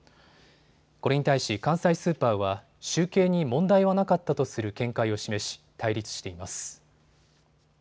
これに対し関西スーパーは集計に問題はなかったとする見解を示し、対立しています。